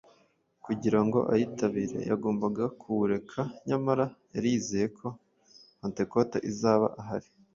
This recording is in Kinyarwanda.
kugira ngo ayitabire yagombaga kuwureka nyamara yari yizeye ko Pentekote izaba ahari.